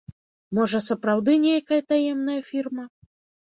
Можа сапраўды нейкая таемная фірма?